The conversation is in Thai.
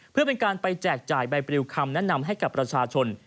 เพื่อเป็นการไปแจกจ่ายใบปริวคำแนะนำให้กับประชาชน